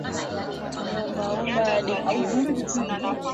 Ni ombaomba hadi kifo